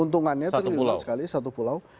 keuntungannya triliunan sekali satu pulau